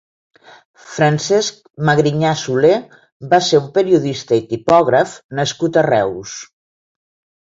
Francesc Magrinyà Solé va ser un periodista i tipògraf nascut a Reus.